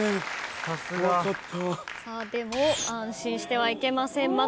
でも安心してはいけません。